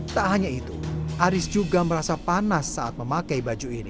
tak hanya itu aris juga merasa panas saat memakai baju ini